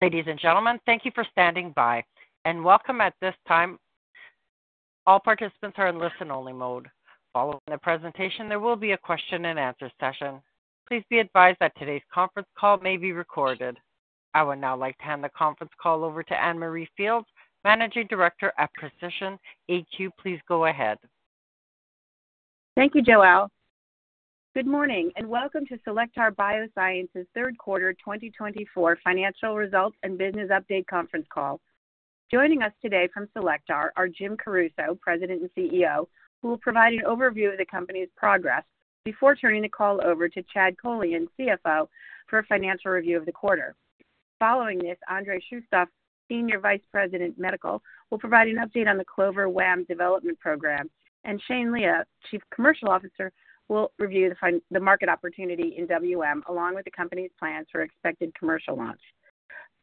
Ladies and gentlemen, thank you for standing by and welcome at this time. All participants are in listen-only mode. Following the presentation, there will be a question-and-answer session. Please be advised that today's conference call may be recorded. I would now like to hand the conference call over to Anne Marie Fields, Managing Director at Precision AQ. Please go ahead. Thank you, Joelle. Good morning and welcome to Cellectar Biosciences' third quarter 2024 financial results and business update conference call. Joining us today from Cellectar are Jim Caruso, President and CEO, who will provide an overview of the company's progress before turning the call over to Chad Kolean, CFO, for a financial review of the quarter. Following this, Andrei Shustov, Senior Vice President, Medical, will provide an update on the CLOVER WaM development program, and Shane Lea, Chief Commercial Officer, will review the market opportunity in WM along with the company's plans for expected commercial launch.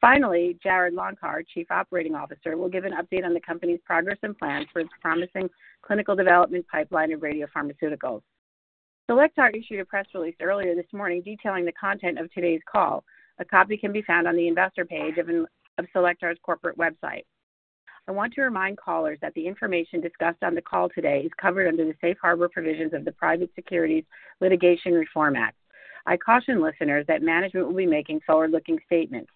Finally, Jarrod Longcor, Chief Operating Officer, will give an update on the company's progress and plans for its promising clinical development pipeline of radiopharmaceuticals. Cellectar issued a press release earlier this morning detailing the content of today's call. A copy can be found on the investor page of Cellectar's corporate website. I want to remind callers that the information discussed on the call today is covered under the safe harbor provisions of the Private Securities Litigation Reform Act. I caution listeners that management will be making forward-looking statements.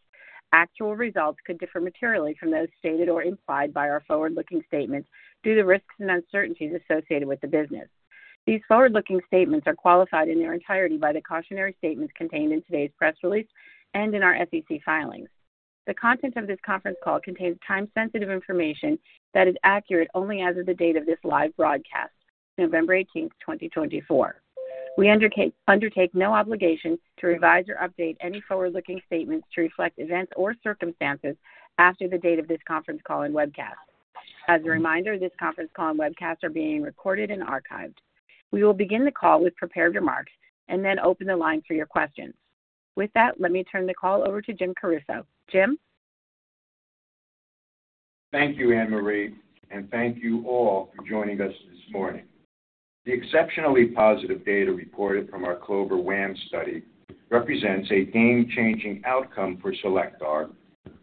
Actual results could differ materially from those stated or implied by our forward-looking statements due to the risks and uncertainties associated with the business. These forward-looking statements are qualified in their entirety by the cautionary statements contained in today's press release and in our SEC filings. The content of this conference call contains time-sensitive information that is accurate only as of the date of this live broadcast, November 18th, 2024. We undertake no obligation to revise or update any forward-looking statements to reflect events or circumstances after the date of this conference call and webcast. As a reminder, this conference call and webcast are being recorded and archived. We will begin the call with prepared remarks and then open the line for your questions. With that, let me turn the call over to Jim Caruso. Jim? Thank you, Anne Marie, and thank you all for joining us this morning. The exceptionally positive data reported from our CLOVER WaM study represents a game-changing outcome for Cellectar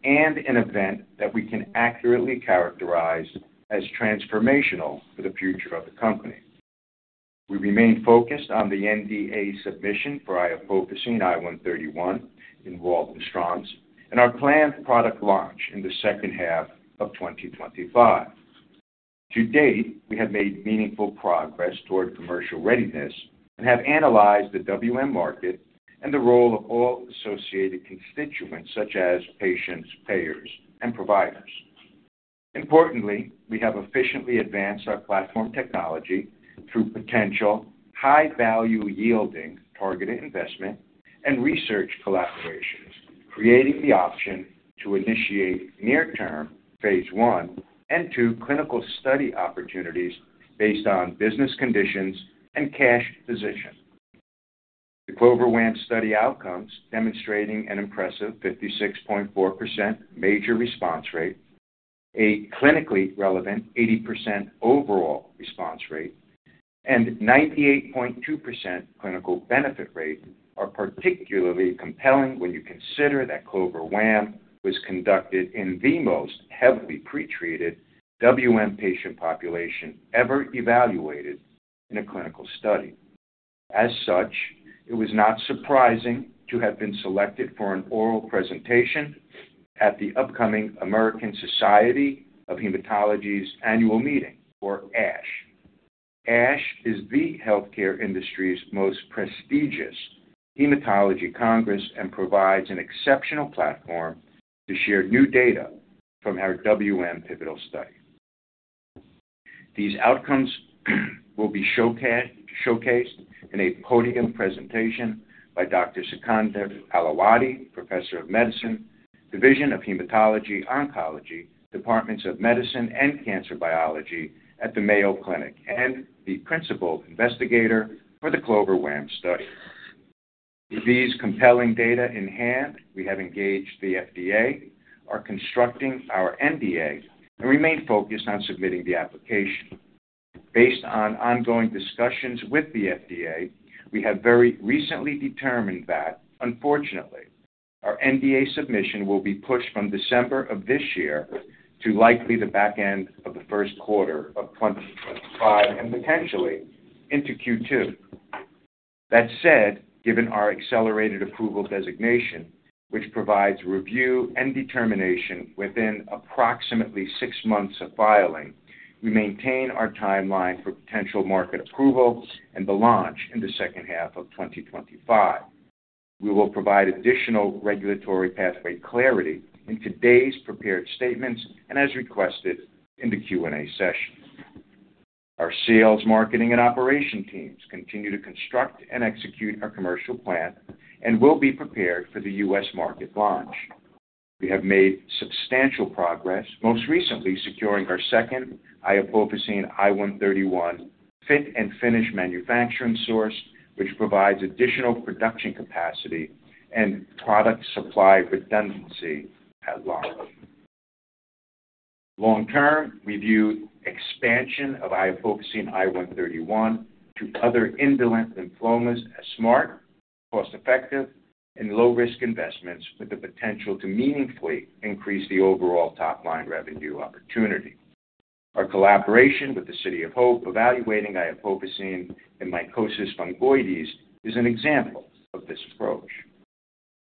and an event that we can accurately characterize as transformational for the future of the company. We remain focused on the NDA submission for iopofosine I 131 in Waldenstrom's and our planned product launch in the second half of 2025. To date, we have made meaningful progress toward commercial readiness and have analyzed the WM market and the role of all associated constituents such as patients, payers, and providers. Importantly, we have efficiently advanced our platform technology through potential high-value yielding targeted investment and research collaborations, creating the option to initiate near-term phase one and two clinical study opportunities based on business conditions and cash position. The CLOVER WaM study outcomes, demonstrating an impressive 56.4% major response rate, a clinically relevant 80% overall response rate, and 98.2% clinical benefit rate, are particularly compelling when you consider that CLOVER WaM was conducted in the most heavily pretreated WM patient population ever evaluated in a clinical study. As such, it was not surprising to have been selected for an oral presentation at the upcoming American Society of Hematology's annual meeting, or ASH. ASH is the healthcare industry's most prestigious hematology congress and provides an exceptional platform to share new data from our WM pivotal study. These outcomes will be showcased in a podium presentation by Dr. Sikander Ailawadhi, Professor of Medicine, Division of Hematology Oncology, Departments of Medicine and Cancer Biology at the Mayo Clinic, and the Principal Investigator for the CLOVER WaM study. With these compelling data in hand, we have engaged the FDA, are constructing our NDA, and remain focused on submitting the application. Based on ongoing discussions with the FDA, we have very recently determined that, unfortunately, our NDA submission will be pushed from December of this year to likely the back end of the first quarter of 2025 and potentially into Q2. That said, given our accelerated approval designation, which provides review and determination within approximately six months of filing, we maintain our timeline for potential market approval and the launch in the second half of 2025. We will provide additional regulatory pathway clarity in today's prepared statements and, as requested, in the Q&A sessions. Our sales, marketing, and operations teams continue to construct and execute our commercial plan and will be prepared for the U.S. market launch. We have made substantial progress, most recently securing our second iopofosine I 131 fit and finish manufacturing source, which provides additional production capacity and product supply redundancy at launch. Long-term, we view expansion of iopofosine I 131 to other indolent lymphomas as smart, cost-effective, and low-risk investments with the potential to meaningfully increase the overall top-line revenue opportunity. Our collaboration with the City of Hope evaluating iopofosine I 131 and mycosis fungoides is an example of this approach.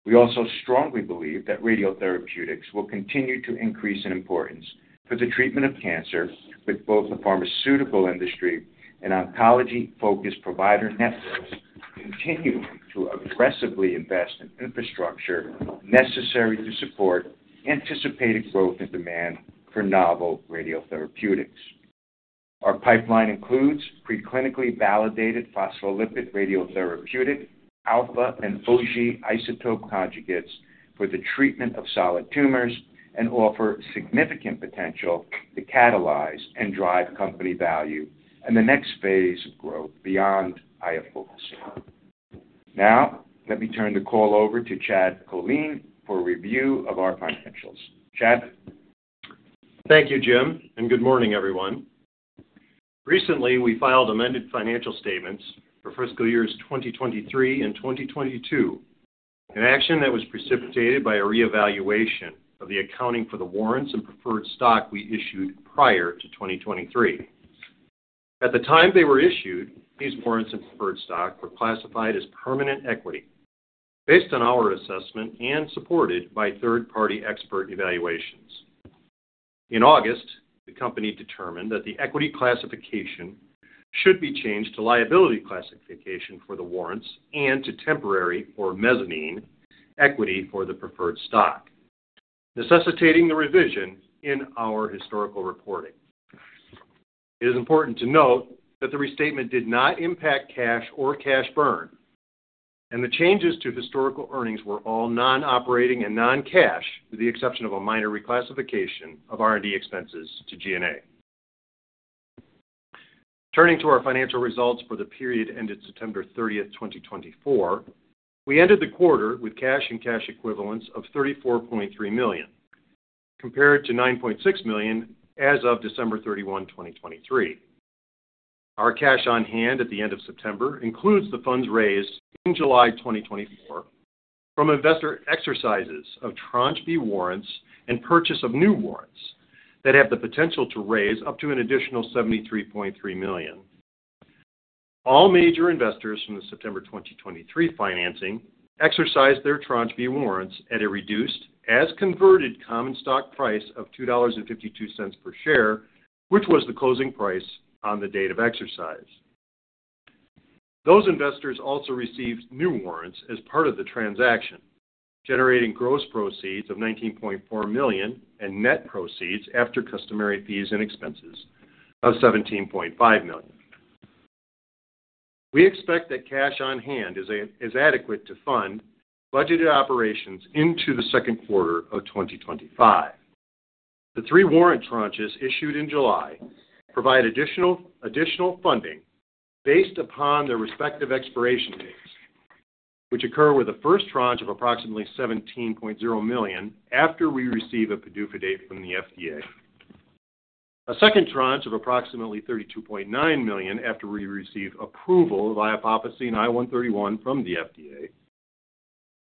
We also strongly believe that radiotherapeutics will continue to increase in importance for the treatment of cancer, with both the pharmaceutical industry and oncology-focused provider networks continuing to aggressively invest in infrastructure necessary to support anticipated growth and demand for novel radiotherapeutics. Our pipeline includes preclinically validated phospholipid radiotherapeutic alpha and Auger isotope conjugates for the treatment of solid tumors and offer significant potential to catalyze and drive company value and the next phase of growth beyond iopofosine I 131. Now, let me turn the call over to Chad Kolean for a review of our financials. Chad. Thank you, Jim, and good morning, everyone. Recently, we filed amended financial statements for fiscal years 2023 and 2022, an action that was precipitated by a reevaluation of the accounting for the warrants and preferred stock we issued prior to 2023. At the time they were issued, these warrants and preferred stock were classified as permanent equity, based on our assessment and supported by third-party expert evaluations. In August, the company determined that the equity classification should be changed to liability classification for the warrants and to temporary or mezzanine equity for the preferred stock, necessitating the revision in our historical reporting. It is important to note that the restatement did not impact cash or cash burn, and the changes to historical earnings were all non-operating and non-cash, with the exception of a minor reclassification of R&D expenses to G&A. Turning to our financial results for the period ended September 30th, 2024, we ended the quarter with cash and cash equivalents of $34.3 million, compared to $9.6 million as of December 31, 2023. Our cash on hand at the end of September includes the funds raised in July 2024 from investor exercises of tranche B warrants and purchase of new warrants that have the potential to raise up to an additional $73.3 million. All major investors from the September 2023 financing exercised their tranche B warrants at a reduced as-converted common stock price of $2.52 per share, which was the closing price on the date of exercise. Those investors also received new warrants as part of the transaction, generating gross proceeds of $19.4 million and net proceeds after customary fees and expenses of $17.5 million. We expect that cash on hand is adequate to fund budgeted operations into the second quarter of 2025. The three warrant tranches issued in July provide additional funding based upon their respective expiration dates, which occur with a first tranche of approximately $17.0 million after we receive a PDUFA date from the FDA, a second tranche of approximately $32.9 million after we receive approval of iopofosine I 131 from the FDA,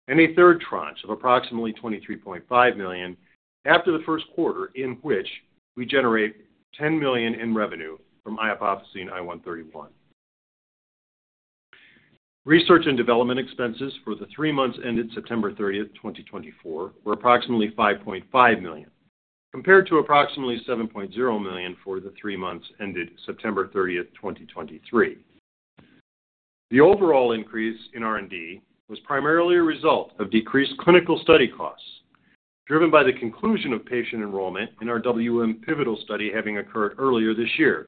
and a third tranche of approximately $23.5 million after the first quarter, in which we generate $10 million in revenue from iopofosine I 131. Research and development expenses for the three months ended September 30th, 2024, were approximately $5.5 million, compared to approximately $7.0 million for the three months ended September 30th, 2023. The overall increase in R&D was primarily a result of decreased clinical study costs, driven by the conclusion of patient enrollment in our WM pivotal study having occurred earlier this year,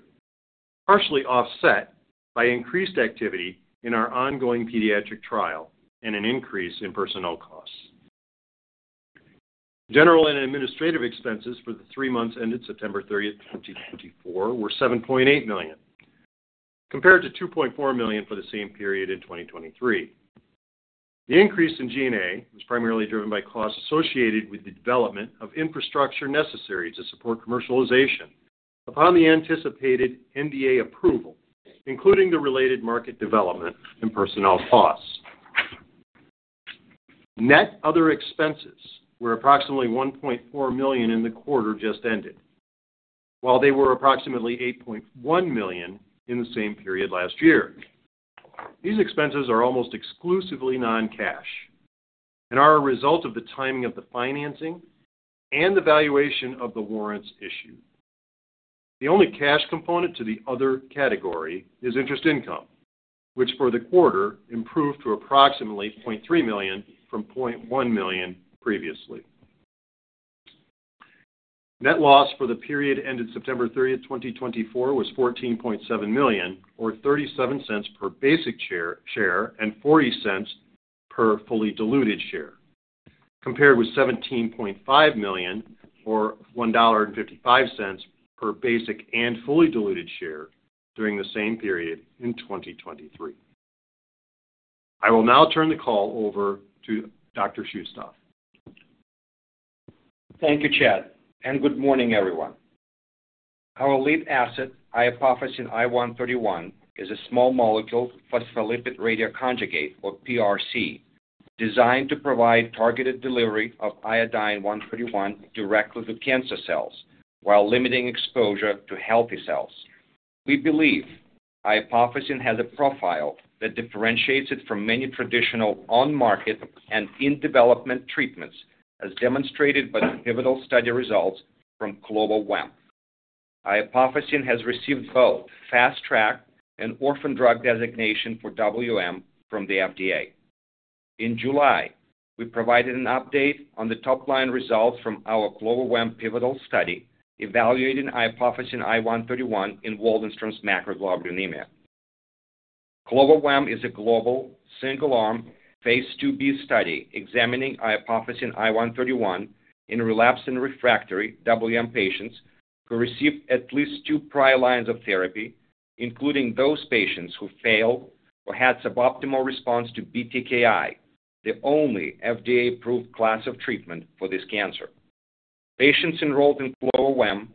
partially offset by increased activity in our ongoing pediatric trial and an increase in personnel costs. General and administrative expenses for the three months ended September 30th, 2024, were $7.8 million, compared to $2.4 million for the same period in 2023. The increase in G&A was primarily driven by costs associated with the development of infrastructure necessary to support commercialization upon the anticipated NDA approval, including the related market development and personnel costs. Net other expenses were approximately $1.4 million in the quarter just ended, while they were approximately $8.1 million in the same period last year. These expenses are almost exclusively non-cash and are a result of the timing of the financing and the valuation of the warrants issued. The only cash component to the other category is interest income, which for the quarter improved to approximately $0.3 million from $0.1 million previously. Net loss for the period ended September 30th, 2024, was $14.7 million, or $0.37 per basic share and $0.40 per fully diluted share, compared with $17.5 million, or $1.55 per basic and fully diluted share during the same period in 2023. I will now turn the call over to Dr. Shustov. Thank you, Chad, and good morning, everyone. Our lead asset, iopofosine I 131, is a small molecule Phospholipid Radioconjugate, or PRC, designed to provide targeted delivery of iodine-131 directly to cancer cells while limiting exposure to healthy cells. We believe iopofosine I 131 has a profile that differentiates it from many traditional on-market and in-development treatments, as demonstrated by the pivotal study results from CLOVER WaM. Iopofosine I 131 has received both Fast Track and Orphan Drug Designation for WM from the FDA. In July, we provided an update on the top-line results from our CLOVER WaM pivotal study evaluating iopofosine I 131 in Waldenstrom's macroglobulinemia. CLOVER WaM is a global single-arm phase 2b study examining iopofosine I 131 in relapsed and refractory WM patients who received at least two prior lines of therapy, including those patients who failed or had suboptimal response to BTKI, the only FDA-approved class of treatment for this cancer. Patients enrolled in CLOVER WaM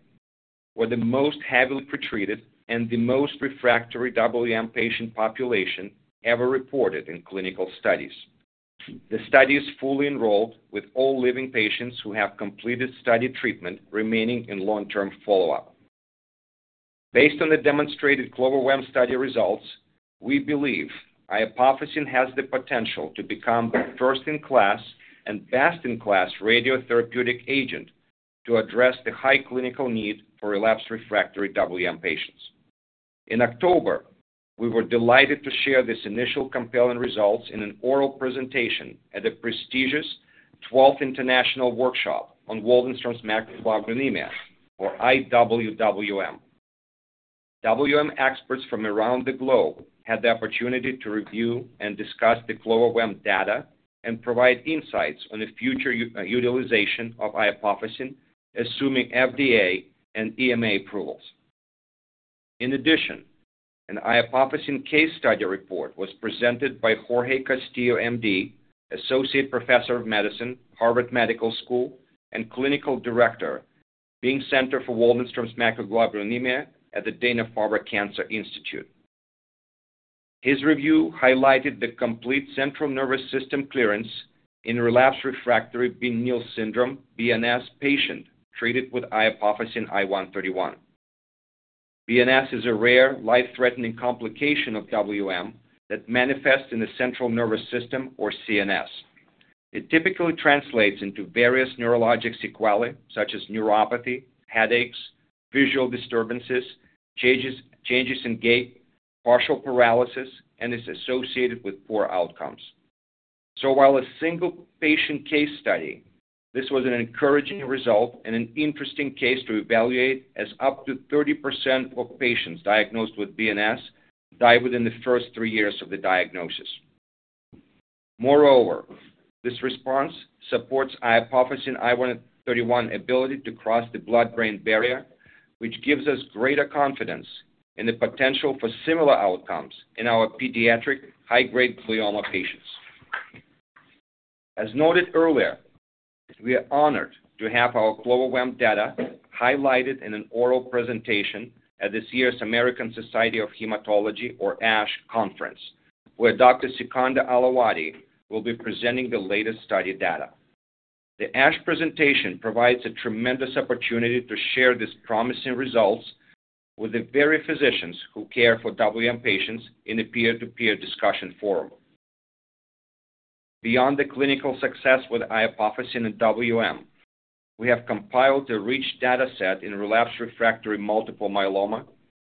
were the most heavily pretreated and the most refractory WM patient population ever reported in clinical studies. The study is fully enrolled with all living patients who have completed study treatment remaining in long-term follow-up. Based on the demonstrated CLOVER WaM study results, we believe iopofosine has the potential to become the first-in-class and best-in-class radiotherapeutic agent to address the high clinical need for relapsed refractory WM patients. In October, we were delighted to share these initial compelling results in an oral presentation at a prestigious 12th International Workshop on Waldenstrom's Macroglobulinemia, or IWWM. WM experts from around the globe had the opportunity to review and discuss the CLOVER WaM data and provide insights on the future utilization of iopofosine, assuming FDA and EMA approvals. In addition, an iopofosine case study report was presented by Jorge Castillo, M.D., Associate Professor of Medicine, Harvard Medical School, and Clinical Director, Bing Center for Waldenstrom's macroglobulinemia at the Dana-Farber Cancer Institute. His review highlighted the complete central nervous system clearance in relapsed/refractory Bing-Neel syndrome (BNS) patient treated with iopofosine and I-131. BNS is a rare, life-threatening complication of WM that manifests in the central nervous system, or CNS. It typically translates into various neurologic sequelae, such as neuropathy, headaches, visual disturbances, changes in gait, partial paralysis, and is associated with poor outcomes. So, while a single patient case study, this was an encouraging result and an interesting case to evaluate, as up to 30% of patients diagnosed with BNS die within the first three years of the diagnosis. Moreover, this response supports iopofosine I 131 ability to cross the blood-brain barrier, which gives us greater confidence in the potential for similar outcomes in our pediatric high-grade glioma patients. As noted earlier, we are honored to have our CLOVER WaM data highlighted in an oral presentation at this year's American Society of Hematology, or ASH, conference, where Dr. Sikander Ailawadhi will be presenting the latest study data. The ASH presentation provides a tremendous opportunity to share these promising results with the very physicians who care for WM patients in a peer-to-peer discussion forum. Beyond the clinical success with iopofosine I 131 and WM, we have compiled the rich data set in relapsed refractory multiple myeloma,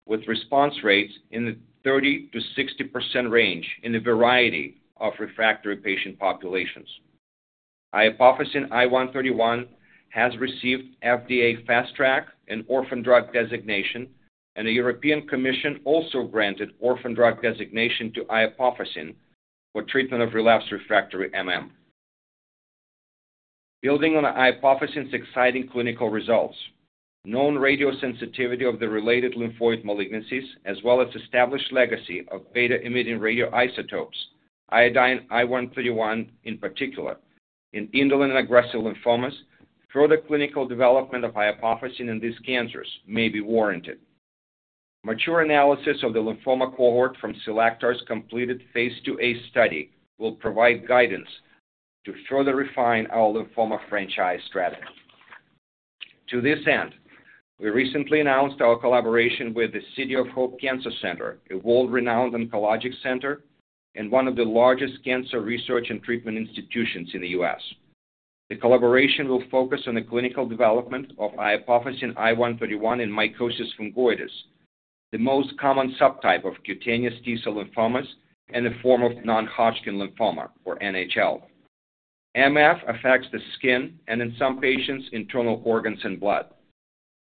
with response rates in the 30%-60% range in a variety of refractory patient populations. Iopofosine I 131 has received FDA Fast Track and Orphan Drug Designation, and the European Commission also granted Orphan Drug Designation to iopofosine I 131 for treatment of relapsed/refractory. Building on iopofosine I 131's exciting clinical results, known radiosensitivity of the related lymphoid malignancies, as well as established legacy of beta-emitting radioisotopes, iodine I-131 in particular, in indolent and aggressive lymphomas, further clinical development of iopofosine I 131 and these cancers may be warranted. Mature analysis of the lymphoma cohort from Cellectar's completed Phase IIa study will provide guidance to further refine our lymphoma franchise strategy. To this end, we recently announced our collaboration with the City of Hope Cancer Center, a world-renowned oncologic center and one of the largest cancer research and treatment institutions in the U.S. The collaboration will focus on the clinical development of iopofosine I 131 in mycosis fungoides, the most common subtype of cutaneous T-cell lymphomas and a form of non-Hodgkin lymphoma, or NHL. MF affects the skin and, in some patients, internal organs and blood.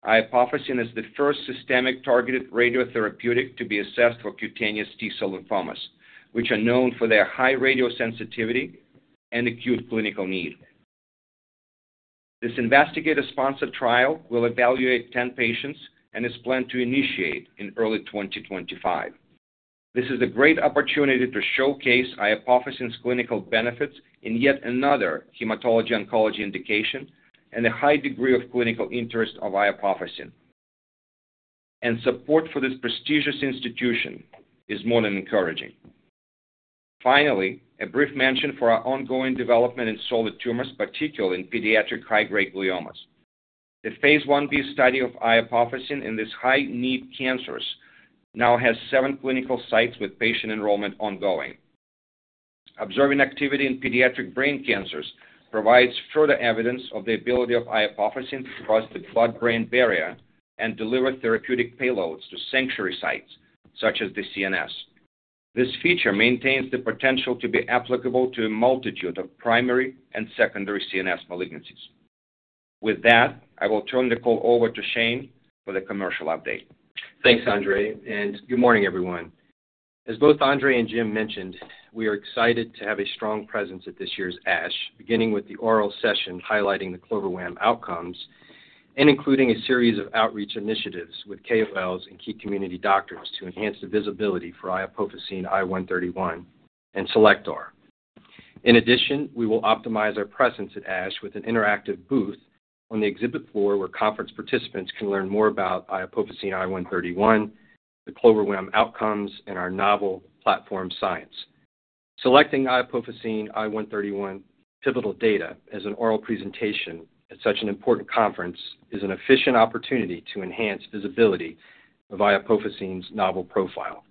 Iopofosine I 131 is the first systemic targeted radiotherapeutic to be assessed for cutaneous T-cell lymphomas, which are known for their high radiosensitivity and acute clinical need. This investigator-sponsored trial will evaluate 10 patients and is planned to initiate in early 2025. This is a great opportunity to showcase iopofosine I 131's clinical benefits in yet another hematology-oncology indication and the high degree of clinical interest of iopofosine I 131, and support for this prestigious institution is more than encouraging. Finally, a brief mention for our ongoing development in solid tumors, particularly in pediatric high-grade gliomas. The phase 1B study of iopofosine I 131 in these high-need cancers now has seven clinical sites with patient enrollment ongoing. Observing activity in pediatric brain cancers provides further evidence of the ability of iopofosine I 131 to cross the blood-brain barrier and deliver therapeutic payloads to sanctuary sites such as the CNS. This feature maintains the potential to be applicable to a multitude of primary and secondary CNS malignancies. With that, I will turn the call over to Shane for the commercial update. Thanks, Andrei, and good morning, everyone. As both Andrei and Jim mentioned, we are excited to have a strong presence at this year's ASH, beginning with the oral session highlighting the CLOVER WaM outcomes and including a series of outreach initiatives with KOLs and key community doctors to enhance the visibility for iopofosine I 131 and Cellectar. In addition, we will optimize our presence at ASH with an interactive booth on the exhibit floor where conference participants can learn more about iopofosine I 131, the CLOVER WaM outcomes, and our novel platform science. Selecting iopofosine I 131 pivotal data as an oral presentation at such an important conference is an efficient opportunity to enhance visibility of iopofosine I 131's novel profile.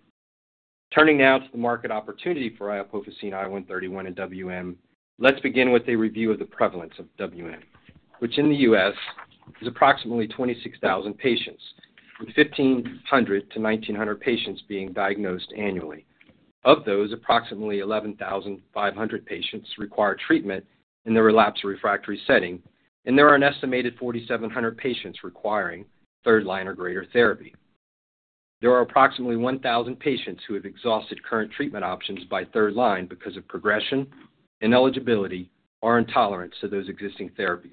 Turning now to the market opportunity for iopofosine I 131 in WM, let's begin with a review of the prevalence of WM, which in the U.S. is approximately 26,000 patients, with 1,500-1,900 patients being diagnosed annually. Of those, approximately 11,500 patients require treatment in the relapsed refractory setting, and there are an estimated 4,700 patients requiring third-line or greater therapy. There are approximately 1,000 patients who have exhausted current treatment options by third line because of progression, ineligibility, or intolerance to those existing therapies.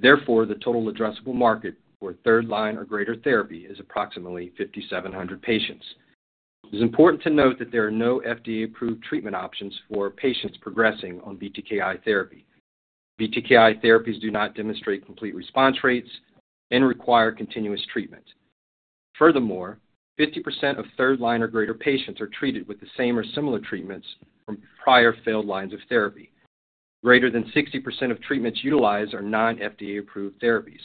Therefore, the total addressable market for third-line or greater therapy is approximately 5,700 patients. It is important to note that there are no FDA-approved treatment options for patients progressing on BTKi therapy. BTKi therapies do not demonstrate complete response rates and require continuous treatment. Furthermore, 50% of third-line or greater patients are treated with the same or similar treatments from prior failed lines of therapy. Greater than 60% of treatments utilized are non-FDA-approved therapies.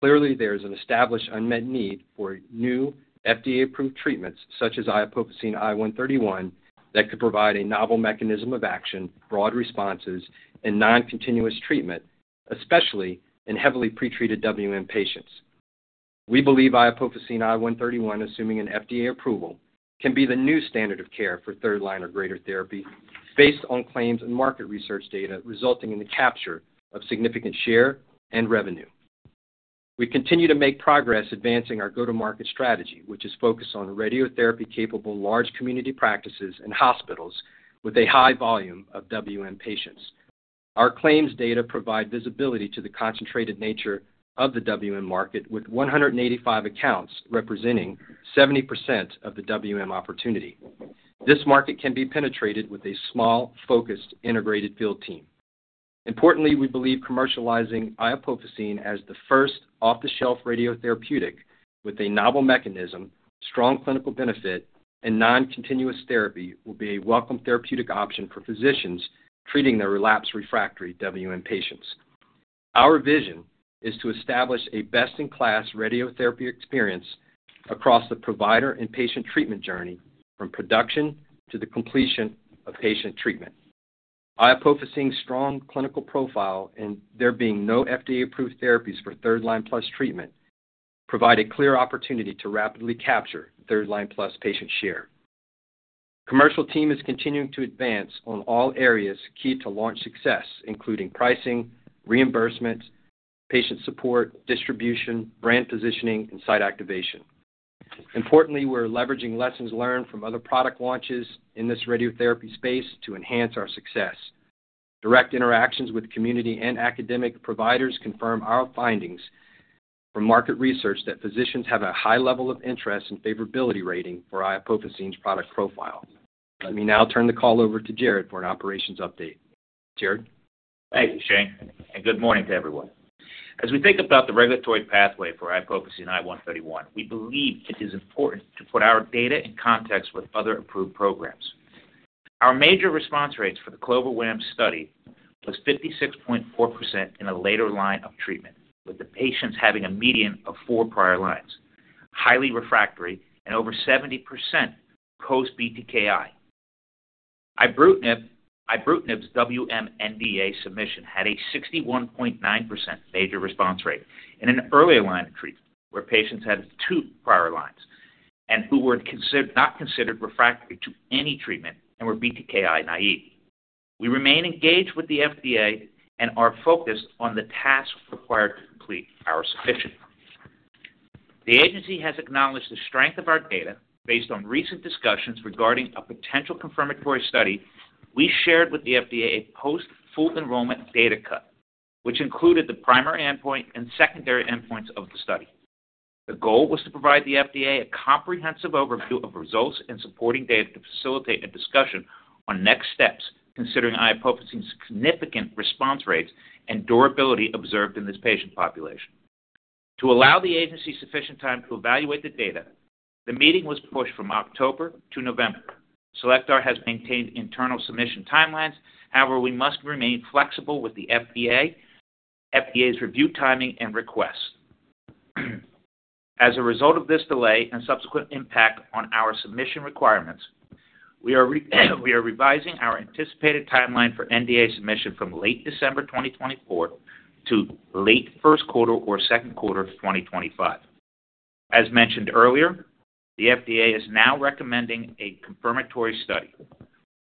Clearly, there is an established unmet need for new FDA-approved treatments such as Iopofosine I 131 that could provide a novel mechanism of action, broad responses, and non-continuous treatment, especially in heavily pretreated WM patients. We believe Iopofosine I 131, assuming an FDA approval, can be the new standard of care for third-line or greater therapy based on claims and market research data resulting in the capture of significant share and revenue. We continue to make progress advancing our go-to-market strategy, which is focused on radiotherapy-capable large community practices and hospitals with a high volume of WM patients. Our claims data provide visibility to the concentrated nature of the WM market, with 185 accounts representing 70% of the WM opportunity. This market can be penetrated with a small, focused, integrated field team. Importantly, we believe commercializing iopofosine I 131 as the first off-the-shelf radiotherapeutic with a novel mechanism, strong clinical benefit, and non-continuous therapy will be a welcome therapeutic option for physicians treating their relapsed refractory WM patients. Our vision is to establish a best-in-class radiotherapy experience across the provider and patient treatment journey from production to the completion of patient treatment. Iopofosine I 131's strong clinical profile and there being no FDA-approved therapies for third-line plus treatment provide a clear opportunity to rapidly capture third-line plus patient share. The commercial team is continuing to advance on all areas key to launch success, including pricing, reimbursement, patient support, distribution, brand positioning, and site activation. Importantly, we're leveraging lessons learned from other product launches in this radiotherapy space to enhance our success. Direct interactions with community and academic providers confirm our findings from market research that physicians have a high level of interest and favorability rating for iopofosine I 131's product profile. Let me now turn the call over to Jarrod for an operations update. Jarrod? Thank you, Shane, and good morning to everyone. As we think about the regulatory pathway for iopofosine I 131, we believe it is important to put our data in context with other approved programs. Our major response rates for the CLOVER WaM study was 56.4% in a later line of treatment, with the patients having a median of four prior lines, highly refractory, and over 70% post-BTKI. Ibrutinib's WM NDA submission had a 61.9% major response rate in an earlier line of treatment where patients had two prior lines and who were not considered refractory to any treatment and were BTKI naive. We remain engaged with the FDA and are focused on the tasks required to complete our submission. The agency has acknowledged the strength of our data based on recent discussions regarding a potential confirmatory study. We shared with the FDA a post-full enrollment data cut, which included the primary endpoint and secondary endpoints of the study. The goal was to provide the FDA a comprehensive overview of results and supporting data to facilitate a discussion on next steps considering iopofosine I 131's significant response rates and durability observed in this patient population. To allow the agency sufficient time to evaluate the data, the meeting was pushed from October to November. Cellectar has maintained internal submission timelines. However, we must remain flexible with the FDA's review timing and requests. As a result of this delay and subsequent impact on our submission requirements, we are revising our anticipated timeline for NDA submission from late December 2024 to late first quarter or second quarter of 2025. As mentioned earlier, the FDA is now recommending a confirmatory study.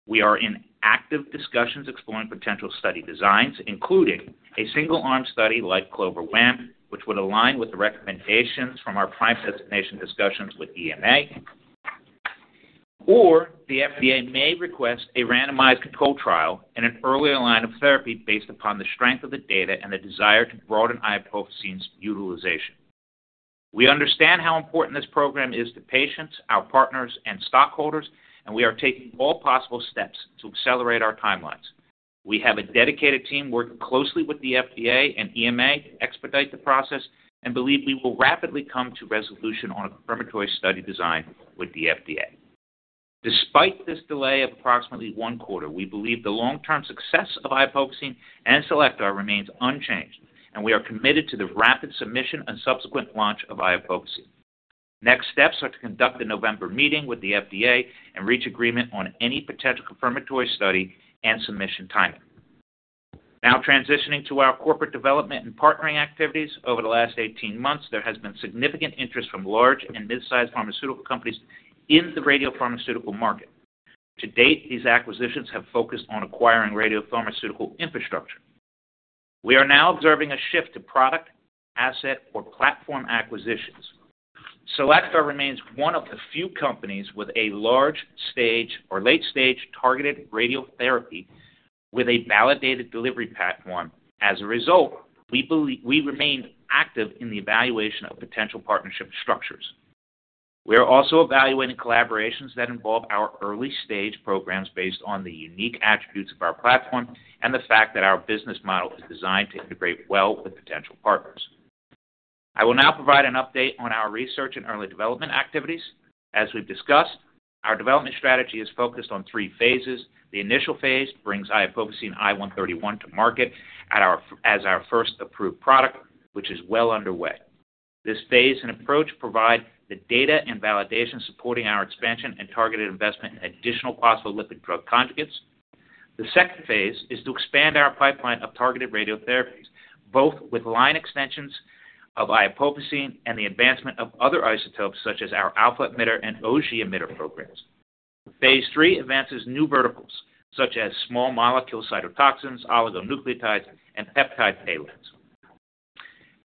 We are in active discussions exploring potential study designs, including a single-arm study like CLOVER WaM, which would align with the recommendations from our PRIME designation discussions with EMA, or the FDA may request a randomized control trial in an earlier line of therapy based upon the strength of the data and the desire to broaden iopofosine's utilization. We understand how important this program is to patients, our partners, and stockholders, and we are taking all possible steps to accelerate our timelines. We have a dedicated team working closely with the FDA and EMA to expedite the process and believe we will rapidly come to resolution on a confirmatory study design with the FDA. Despite this delay of approximately one quarter, we believe the long-term success of iopofosine and Cellectar remains unchanged, and we are committed to the rapid submission and subsequent launch of iopofosine. Next steps are to conduct a November meeting with the FDA and reach agreement on any potential confirmatory study and submission timing. Now transitioning to our corporate development and partnering activities, over the last 18 months, there has been significant interest from large and mid-sized pharmaceutical companies in the radiopharmaceutical market. To date, these acquisitions have focused on acquiring radiopharmaceutical infrastructure. We are now observing a shift to product, asset, or platform acquisitions. Cellectar remains one of the few companies with a late-stage or late-stage targeted radiotherapy with a validated delivery platform. As a result, we remain active in the evaluation of potential partnership structures. We are also evaluating collaborations that involve our early-stage programs based on the unique attributes of our platform and the fact that our business model is designed to integrate well with potential partners. I will now provide an update on our research and early development activities. As we've discussed, our development strategy is focused on three phases. The initial phase brings iopofosine I 131 to market as our first approved product, which is well underway. This phase and approach provide the data and validation supporting our expansion and targeted investment in additional phospholipid drug conjugates. The second phase is to expand our pipeline of targeted radiotherapies, both with line extensions of iopofosine I 131 and the advancement of other isotopes such as our alpha-emitter and Auger-emitter programs. Phase three advances new verticals such as small molecule cytotoxins, oligonucleotides, and peptide payloads.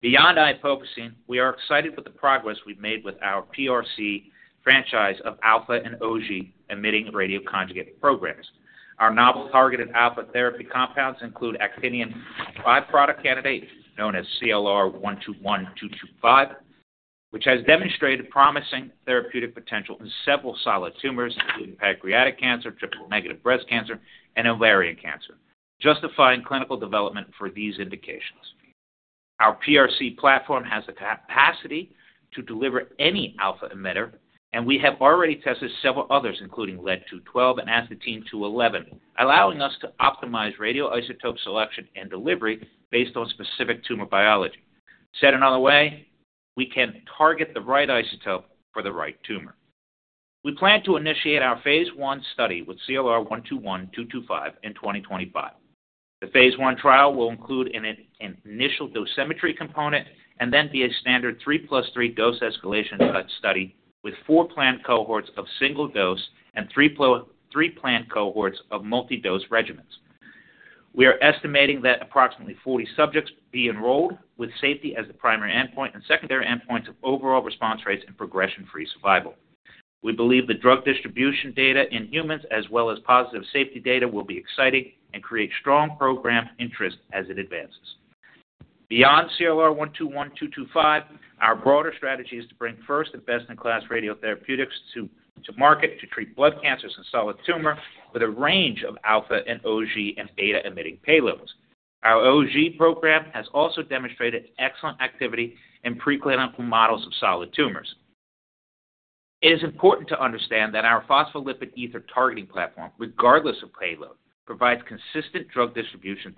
Beyond iopofosine I 131, we are excited with the progress we've made with our PRC franchise of alpha and Auger-emitting radioconjugate programs. Our novel targeted alpha therapy compounds include Actinium-based product candidate known as CLR 121225, which has demonstrated promising therapeutic potential in several solid tumors, including pancreatic cancer, triple-negative breast cancer, and ovarian cancer, justifying clinical development for these indications. Our PRC platform has the capacity to deliver any alpha-emitter, and we have already tested several others, including Lead-212 and Astatine-211, allowing us to optimize radioisotope selection and delivery based on specific tumor biology. Said another way, we can target the right isotope for the right tumor. We plan to initiate our phase one study with CLR 121225 in 2025. The phase one trial will include an initial dosimetry component and then be a standard 3 plus 3 dose escalation study with four planned cohorts of single dose and three planned cohorts of multi-dose regimens. We are estimating that approximately 40 subjects be enrolled with safety as the primary endpoint and secondary endpoints of overall response rates and progression-free survival. We believe the drug distribution data in humans, as well as positive safety data, will be exciting and create strong program interest as it advances. Beyond CLR 121225, our broader strategy is to bring first and best-in-class radiotherapeutics to market to treat blood cancers and solid tumor with a range of alpha and Auger and beta-emitting payloads. Our Auger program has also demonstrated excellent activity in pre-clinical models of solid tumors. It is important to understand that our phospholipid ether targeting platform, regardless of payload, provides consistent drug distribution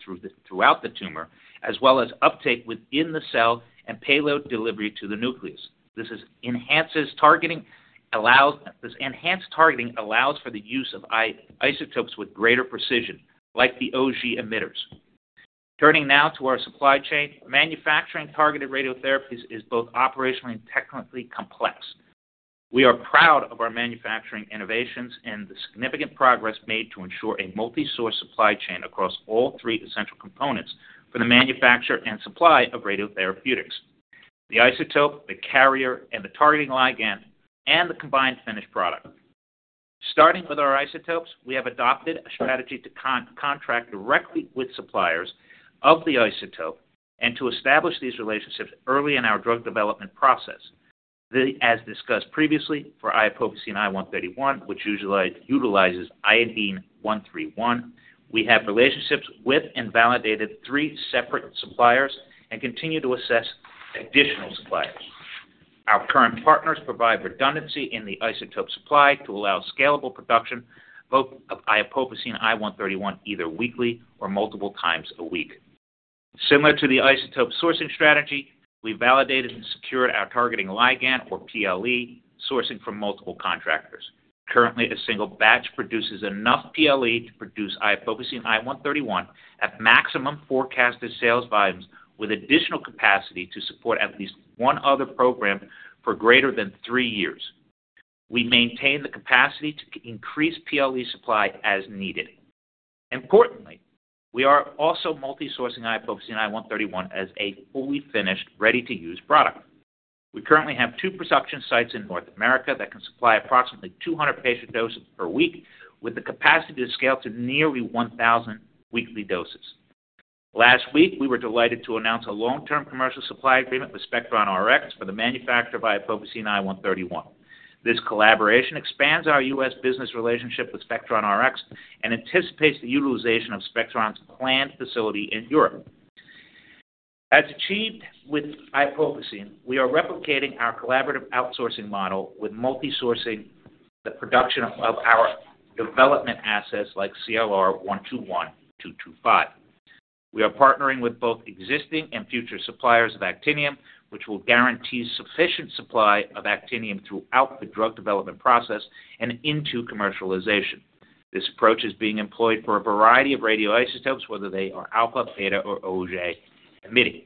throughout the tumor, as well as uptake within the cell and payload delivery to the nucleus. This enhanced targeting allows for the use of isotopes with greater precision, like the Auger emitters. Turning now to our supply chain, manufacturing targeted radiotherapies is both operationally and technically complex. We are proud of our manufacturing innovations and the significant progress made to ensure a multi-source supply chain across all three essential components for the manufacture and supply of radiotherapeutics: the isotope, the carrier, and the targeting ligand, and the combined finished product. Starting with our isotopes, we have adopted a strategy to contract directly with suppliers of the isotope and to establish these relationships early in our drug development process. As discussed previously, for Iopofosine I 131, which utilizes iodine-131, we have relationships with and validated three separate suppliers and continue to assess additional suppliers. Our current partners provide redundancy in the isotope supply to allow scalable production of Iopofosine I 131 either weekly or multiple times a week. Similar to the isotope sourcing strategy, we validated and secured our targeting ligand, or PLE, sourcing from multiple contractors. Currently, a single batch produces enough PLE to produce iopofosine I 131 at maximum forecasted sales volumes with additional capacity to support at least one other program for greater than three years. We maintain the capacity to increase PLE supply as needed. Importantly, we are also multi-sourcing iopofosine I 131 as a fully finished, ready-to-use product. We currently have two production sites in North America that can supply approximately 200 patient doses per week with the capacity to scale to nearly 1,000 weekly doses. Last week, we were delighted to announce a long-term commercial supply agreement with SpectronRx for the manufacture of iopofosine I 131. This collaboration expands our U.S. business relationship with SpectronRx and anticipates the utilization of SpectronRx's planned facility in Europe. As achieved with iopofosine I 131, we are replicating our collaborative outsourcing model with multi-sourcing the production of our development assets like CLR 121225. We are partnering with both existing and future suppliers of actinium, which will guarantee sufficient supply of actinium throughout the drug development process and into commercialization. This approach is being employed for a variety of radioisotopes, whether they are alpha, beta, or Auger-emitting.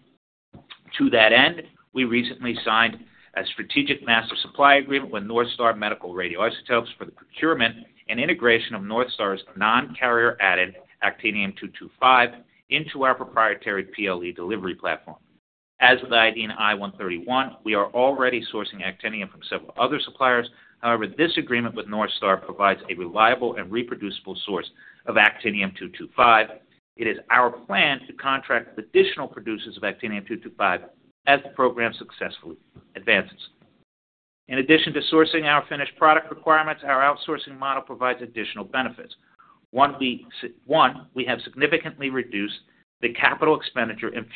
To that end, we recently signed a strategic master supply agreement with NorthStar Medical Radioisotopes for the procurement and integration of NorthStar's non-carrier-added actinium-225 into our proprietary PLE delivery platform. As with iodine-131, we are already sourcing actinium from several other suppliers. However, this agreement with NorthStar provides a reliable and reproducible source of actinium-225. It is our plan to contract additional producers of actinium-225 as the program successfully advances. In addition to sourcing our finished product requirements, our outsourcing model provides additional benefits. One, we have significantly reduced the capital expenditure and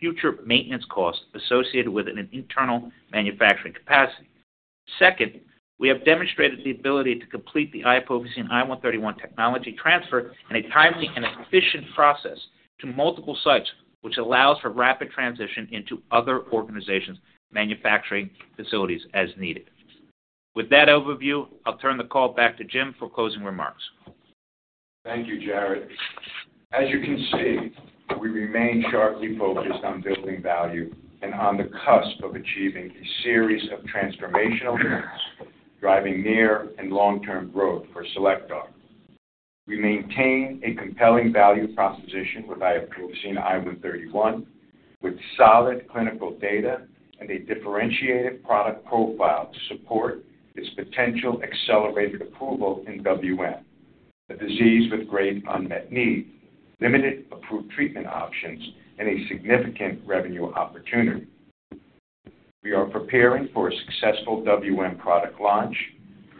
future maintenance costs associated with an internal manufacturing capacity. Second, we have demonstrated the ability to complete the iopofosine I 131 technology transfer in a timely and efficient process to multiple sites, which allows for rapid transition into other organizations' manufacturing facilities as needed. With that overview, I'll turn the call back to Jim for closing remarks. Thank you, Jarrod. As you can see, we remain sharply focused on building value and on the cusp of achieving a series of transformational events driving near and long-term growth for Cellectar. We maintain a compelling value proposition with iopofosine I 131, with solid clinical data and a differentiated product profile to support its potential accelerated approval in WM, a disease with great unmet need, limited approved treatment options, and a significant revenue opportunity. We are preparing for a successful WM product launch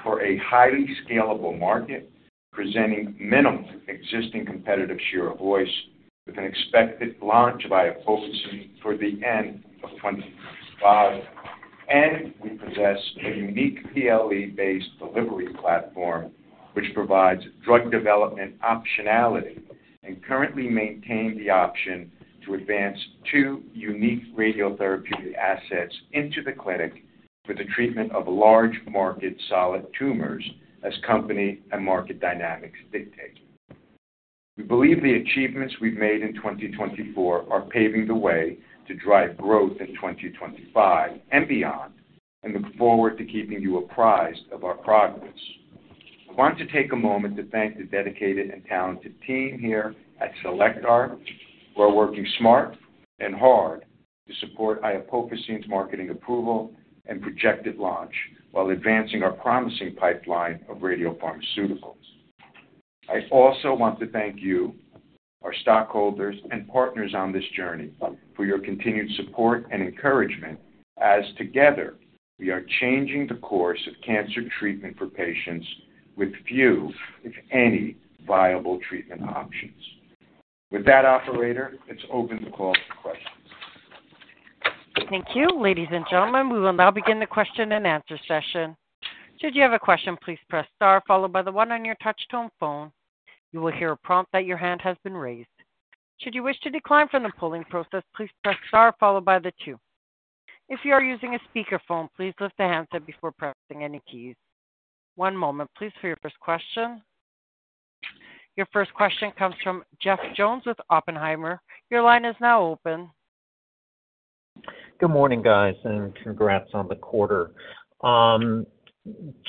for a highly scalable market, presenting minimal existing competitive share of voice with an expected launch of iopofosine I 131 for the end of 2025, and we possess a unique PLE-based delivery platform, which provides drug development optionality and currently maintains the option to advance two unique radiotherapeutic assets into the clinic for the treatment of large market solid tumors as company and market dynamics dictate. We believe the achievements we've made in 2024 are paving the way to drive growth in 2025 and beyond, and look forward to keeping you apprised of our progress. I want to take a moment to thank the dedicated and talented team here at Cellectar. We're working smart and hard to support iopofosine I 131's marketing approval and projected launch while advancing our promising pipeline of radiopharmaceuticals. I also want to thank you, our stockholders, and partners on this journey for your continued support and encouragement, as together we are changing the course of cancer treatment for patients with few, if any, viable treatment options. With that, Operator, it's open to calls for questions. Thank you. Ladies and gentlemen, we will now begin the question and answer session. Should you have a question, please press star, followed by the one on your touch-tone phone. You will hear a prompt that your hand has been raised. Should you wish to decline from the polling process, please press star, followed by the two. If you are using a speakerphone, please lift the handset before pressing any keys. One moment, please, for your first question. Your first question comes from Jeff Jones with Oppenheimer. Your line is now open. Good morning, guys, and congrats on the quarter.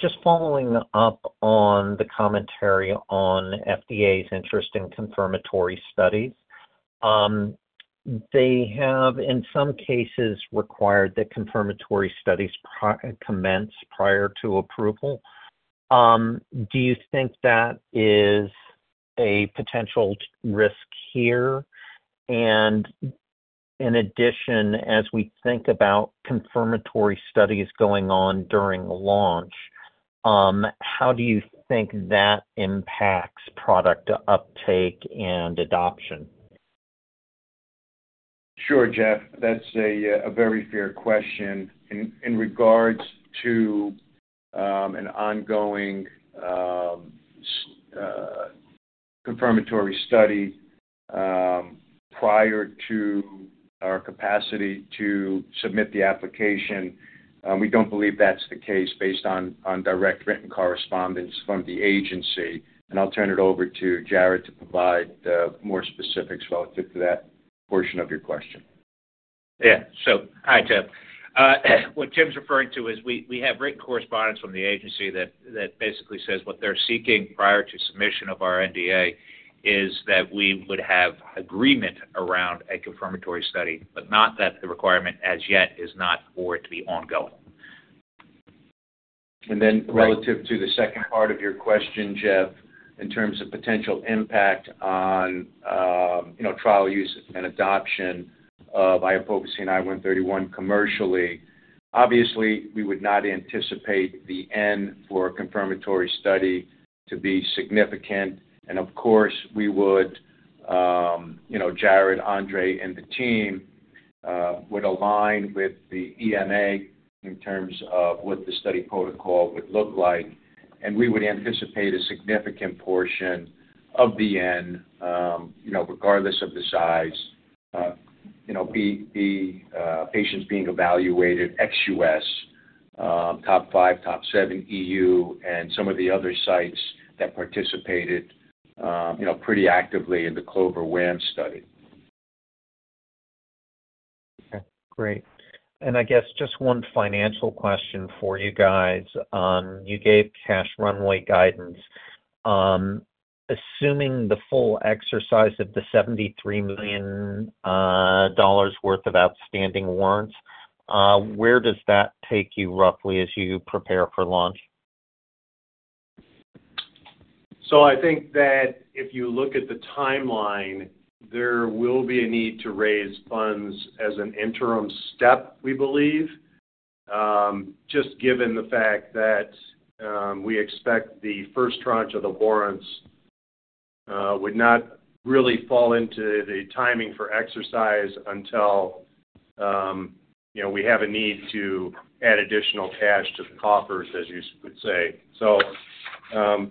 Just following up on the commentary on FDA's interest in confirmatory studies, they have, in some cases, required that confirmatory studies commence prior to approval. Do you think that is a potential risk here? And in addition, as we think about confirmatory studies going on during launch, how do you think that impacts product uptake and adoption? Sure, Jeff. That's a very fair question. In regards to an ongoing confirmatory study prior to our capacity to submit the application, we don't believe that's the case based on direct written correspondence from the agency. And I'll turn it over to Jarrod to provide more specifics relative to that portion of your question. Yeah. So hi, Jeff. What Jim's referring to is we have written correspondence from the agency that basically says what they're seeking prior to submission of our NDA is that we would have agreement around a confirmatory study, but not that the requirement as yet is not for it to be ongoing. Then relative to the second part of your question, Jeff, in terms of potential impact on trial use and adoption of iopofosine I 131 commercially, obviously, we would not anticipate the need for a confirmatory study to be significant. Of course, we would. Jarrod, Andrei, and the team would align with the EMA in terms of what the study protocol would look like. And we would anticipate a significant portion of the enrollment, regardless of the size, be patients being evaluated ex-US, top five, top seven EU, and some of the other sites that participated pretty actively in the CLOVER WaM study. Okay. Great. And I guess just one financial question for you guys. You gave cash runway guidance. Assuming the full exercise of the $73 million worth of outstanding warrants, where does that take you roughly as you prepare for launch? So I think that if you look at the timeline, there will be a need to raise funds as an interim step, we believe, just given the fact that we expect the first tranche of the warrants would not really fall into the timing for exercise until we have a need to add additional cash to the coffers, as you would say.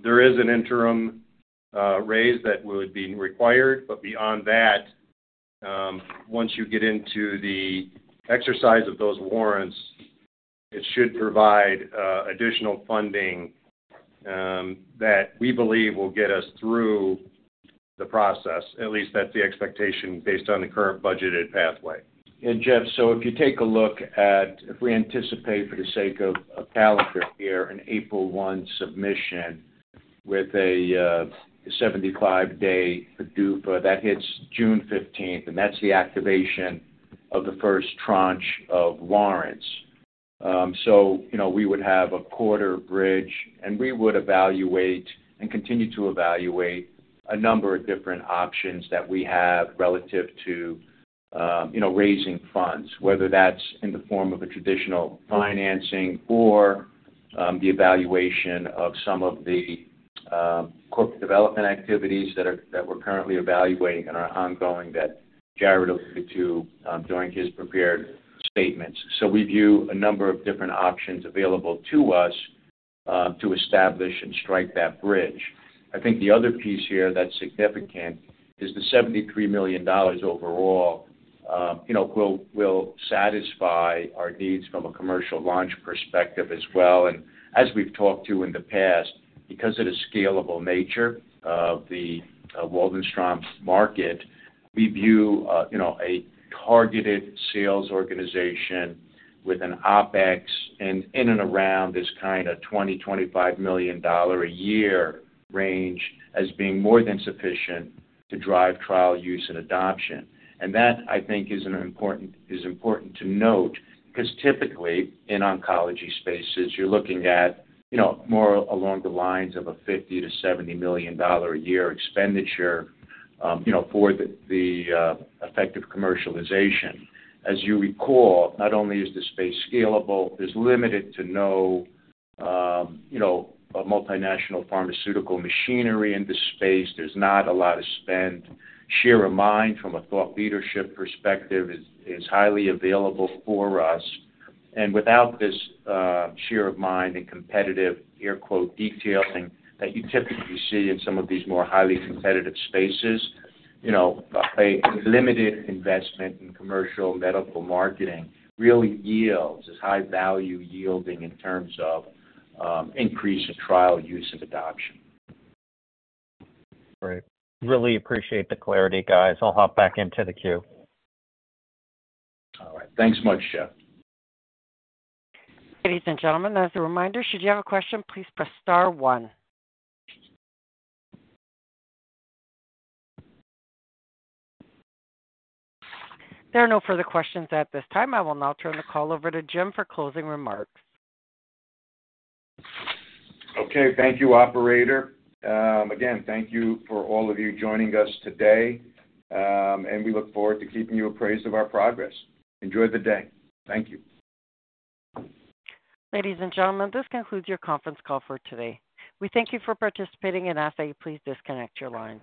There is an interim raise that would be required. But beyond that, once you get into the exercise of those warrants, it should provide additional funding that we believe will get us through the process. At least that's the expectation based on the current budgeted pathway. Jeff, so if you take a look at if we anticipate, for the sake of calendar here, an April 1 submission with a 75-day PDUFA that hits June 15th, and that's the activation of the first tranche of warrants. We would have a quarter bridge, and we would evaluate and continue to evaluate a number of different options that we have relative to raising funds, whether that's in the form of a traditional financing or the evaluation of some of the corporate development activities that we're currently evaluating and are ongoing that Jarrod alluded to during his prepared statements. We view a number of different options available to us to establish and strike that bridge. I think the other piece here that's significant is the $73 million overall will satisfy our needs from a commercial launch perspective as well. And as we've talked to in the past, because of the scalable nature of the Waldenstrom's market, we view a targeted sales organization with an OpEx in and around this kind of $20-$25 million a year range as being more than sufficient to drive trial use and adoption. And that, I think, is important to note because typically, in oncology spaces, you're looking at more along the lines of a $50-$70 million a year expenditure for the effective commercialization. As you recall, not only is the space scalable, there's limited to no multinational pharmaceutical machinery in the space. There's not a lot of spend. Share of mind from a thought leadership perspective is highly available for us. Without this share of mind and competitive "detailing" that you typically see in some of these more highly competitive spaces, a limited investment in commercial medical marketing really yields a high value yielding in terms of increase in trial use and adoption. Great. Really appreciate the clarity, guys. I'll hop back into the queue. All right. Thanks much, Jeff. Ladies and gentlemen, as a reminder, should you have a question, please press star one. There are no further questions at this time. I will now turn the call over to Jim for closing remarks. Okay. Thank you, Operator. Again, thank you for all of you joining us today, and we look forward to keeping you appraised of our progress. Enjoy the day. Thank you. Ladies and gentlemen, this concludes your conference call for today. We thank you for participating, and ask that you please disconnect your lines.